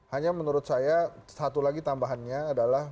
hanya menurut saya satu lagi tambahannya adalah